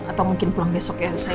atau mungkin pulang besok ya